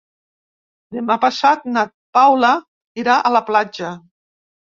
Demà passat na Paula irà a la platja.